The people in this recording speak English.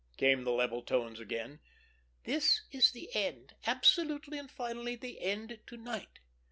came the level tones again. "This is the end, absolutely and finally the end to night.